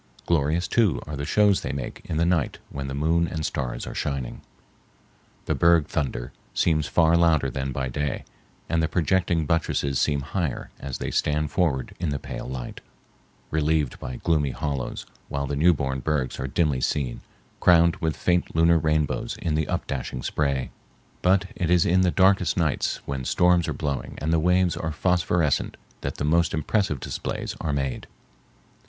Glorious, too, are the shows they make in the night when the moon and stars are shining. The berg thunder seems far louder than by day, and the projecting buttresses seem higher as they stand forward in the pale light, relieved by gloomy hollows, while the new born bergs are dimly seen, crowned with faint lunar rainbows in the up dashing spray. But it is in the darkest nights when storms are blowing and the waves are phosphorescent that the most impressive displays are made.